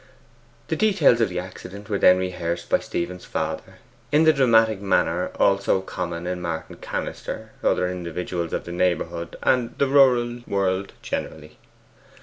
The details of the accident were then rehearsed by Stephen's father, in the dramatic manner also common to Martin Cannister, other individuals of the neighbourhood, and the rural world generally.